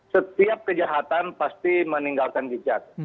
setiap kejahatan pasti meninggalkan jejak